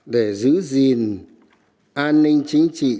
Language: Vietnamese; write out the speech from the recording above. để giữ gìn an ninh chính trị trật tự